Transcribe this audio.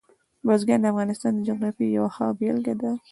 بزګان د افغانستان د جغرافیې یوه ښه بېلګه ده.